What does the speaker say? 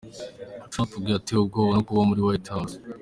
Trump ngo yatewe ubwoba no kuba muri White House.